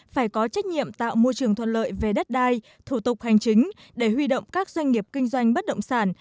phải có trách nhiệm tạo môi trường thuận lợi về đất đai thủ tục hành chính để huy động các doanh nghiệp kinh doanh bất động sản